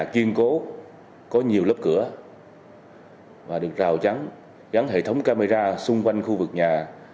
kiên cố có nhiều lớp cửa và được rào chắn gắn hệ thống camera xung quanh khu vực nhà